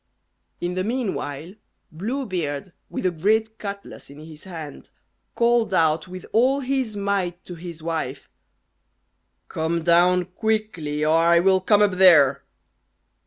In the meanwhile Blue Beard, with a great cutlass in his hand, called out with all his might to his wife, "Come down quickly, or I will come up there."